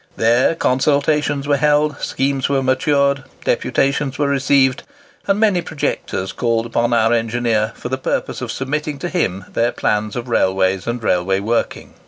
There consultations were held, schemes were matured, deputations were received, and many projectors called upon our engineer for the purpose of submitting to him their plans of railways and railway working.